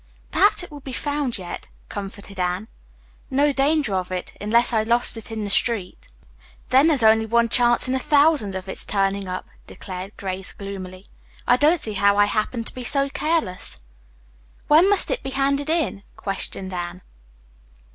"Perhaps it will be found yet," comforted Anne. "No danger of it, unless I lost it in the street. Then there's only one chance in a thousand of its turning up," declared Grace gloomily. "I don't see how I happened to be so careless." "When must it be handed in?" questioned Anne.